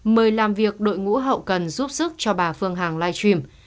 mời làm việc đội ngũ hậu cần giúp sức cho bà phương hằng livestream